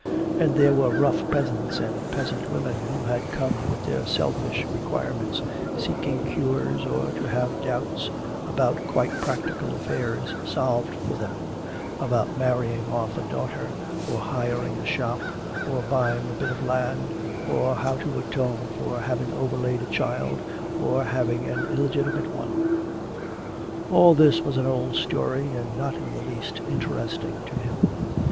And there were rough peasants and peasant women who had come with their selfish requirements, seeking cures or to have doubts about quite practical affairs solved for them: about marrying off a daughter, or hiring a shop, or buying a bit of land, or how to atone for having overlaid a child or having an illegitimate one. All this was an old story and not in the least interesting to him.